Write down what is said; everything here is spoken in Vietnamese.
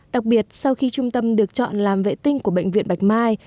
đặc biệt sau khi trung tâm được chọn làm vệ tinh của bệnh viện bạch mai